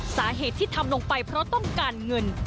สาเหตุที่ทำลงไปเพราะต้องการเงิน